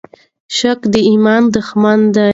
شک د ایمان دښمن دی.